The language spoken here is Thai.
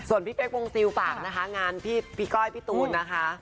ส่วนพี่เป๊กวงซิลฝากนะคะงานพี่ก้อยพี่ตูนนะคะ